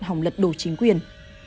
hòng lật đổ chính quyền